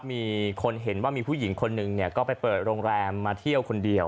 มีคนเห็นว่ามีผู้หญิงคนหนึ่งก็ไปเปิดโรงแรมมาเที่ยวคนเดียว